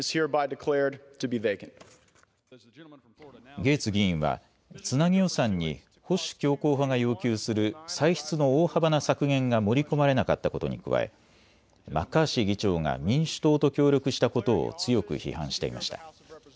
ゲーツ議員はつなぎ予算に保守強硬派が要求する歳出の大幅な削減が盛り込まれなかったことに加え、マッカーシー議長が民主党と協力したことを強く批判していました。